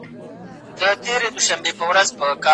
ده د علمي او فلسفي علومو پوهه لرله